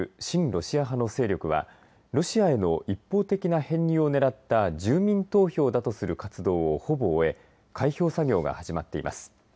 ロシア派の勢力はロシアへの一方的な編入をねらった住民投票だとする活動をほぼ終え開票作業が始まっています。